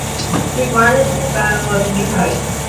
He was martyred in the battle of Uhud.